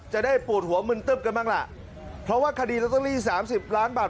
จะได้ปวดหัวมึนตึ๊บกันบ้างล่ะเพราะว่าคดีลอตเตอรี่สามสิบล้านบาท